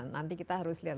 nanti kita harus lihat